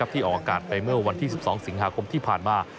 ที่ออกอากาศไปเมื่อวันที่๑๒สิงหาคมที่ผ่านมา